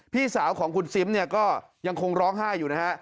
พี่สาวของคุณซิมเนี่ยก็ยังคงร้องไห้อยู่นะฮะ